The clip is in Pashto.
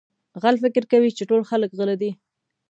غل فکر کوي چې ټول خلک غله دي.